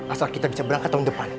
asal kita bisa berangkat tahun depan